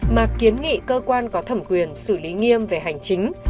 mà kiến nghị cơ quan có thẩm quyền xử lý nghiêm về hành chính